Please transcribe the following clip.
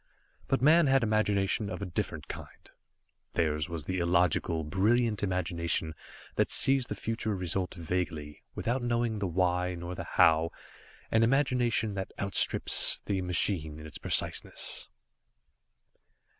But Man had imagination of a different kind, theirs was the illogical, brilliant imagination that sees the future result vaguely, without knowing the why, nor the how, and imagination that outstrips the machine in its preciseness.